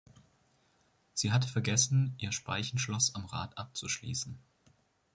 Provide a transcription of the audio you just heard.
Sie hatte vergessen ihr Speichenschloss am Rad abzuschließen.